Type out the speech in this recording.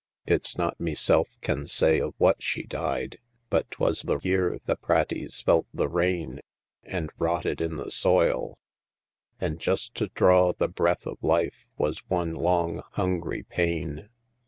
It's not meself can say of what she died; But t'was the year the praties felt the rain, And rotted in the soil; an' just to dhraw The breath of life was one long hungry pain.